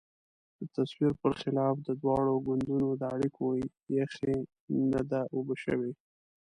د تصور پر خلاف د دواړو ګوندونو د اړیکو یخۍ نه ده اوبه شوې.